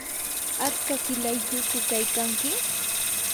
¿atska qilayyuqku kaykanki?